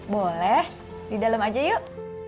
boleh di dalam aja yuk